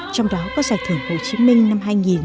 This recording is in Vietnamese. trong đó có giải thưởng hồ chí minh năm hai nghìn